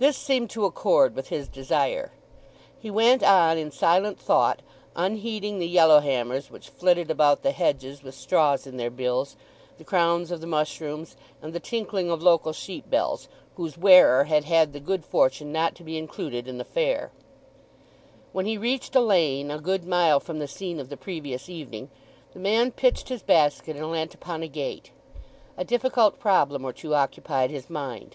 This seemed to accord with his desire. He went on in silent thought, unheeding the yellowhammers which flitted about the hedges with straws in their bills, the crowns of the mushrooms, and the tinkling of local sheep bells, whose wearer had had the good fortune not to be included in the fair. When he reached a lane, a good mile from the scene of the previous evening, the man pitched his basket and leant upon a gate. A difficult problem or two occupied his mind.